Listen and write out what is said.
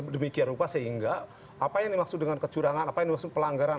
demikian rupa sehingga apa yang dimaksud dengan kecurangan apa yang dimaksud pelanggaran